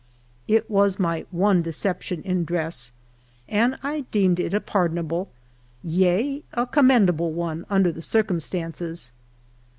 It was my one deception in dress, and I deemed it a pardonable, yea, a commendable one, under the circumstances.